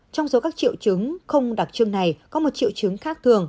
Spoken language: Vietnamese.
trong số các triệu chứng không đặc trưng này có một triệu chứng khác thường